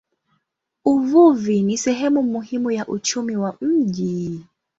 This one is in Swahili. Uvuvi ni sehemu muhimu ya uchumi wa mji.